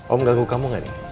om ganggu kamu gak nih